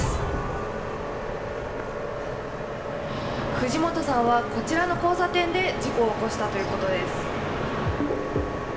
藤本さんは、こちらの交差点で事故を起こしたということです。